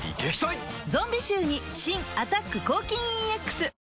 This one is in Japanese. ゾンビ臭に新「アタック抗菌ＥＸ」